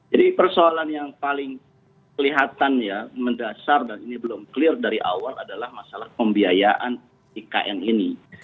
jadi persoalan yang paling kelihatan ya mendasar dan ini belum clear dari awal adalah masalah pembiayaan ikn ini